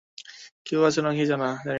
কেউ আছে নাকি জানি না।